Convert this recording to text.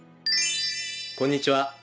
こんにちは。